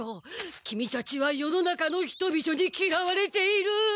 キミたちは世の中の人々にきらわれている。